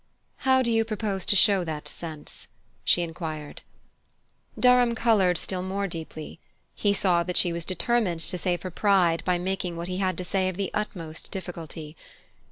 "How do you propose to show that sense?" she enquired. Durham coloured still more deeply: he saw that she was determined to save her pride by making what he had to say of the utmost difficulty.